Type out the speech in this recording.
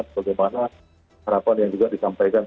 seperti mana harapan yang juga disampaikan